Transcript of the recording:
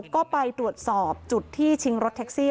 ก็ไปตรวจสอบจุดที่ชิงรถแท็กซี่